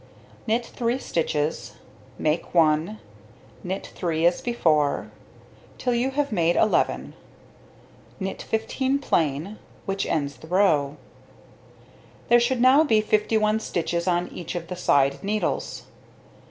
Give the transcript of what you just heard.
Knit 3 stitches, make 1, knit 3 as before, till you have made 11, knit 15 plain, which ends the row. There should now be 51 stitches on each of the side needles.